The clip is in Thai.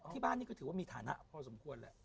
ที่บ้านนี่ก็ถือว่ามีฐานะพอสมควรแหละ